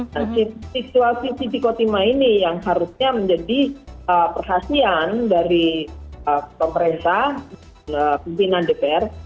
dan kemudian di situasi siti kotima ini yang harusnya menjadi perhasian dari pemerintah pimpinan dpr